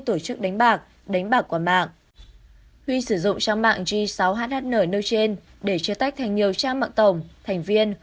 huy sử dụng trang mạng g sáu hhn nơi trên để chia tách thành nhiều trang mạng tổng thành viên